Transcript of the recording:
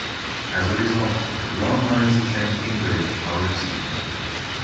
As a result, long lines at Shangqing Bridge are routine.